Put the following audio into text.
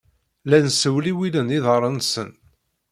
Llan ssewliwilen iḍarren-nsen.